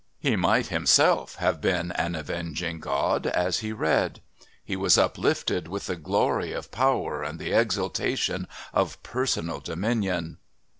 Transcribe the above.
He might himself have been an avenging God as he read. He was uplifted with the glory of power and the exultation of personal dominion...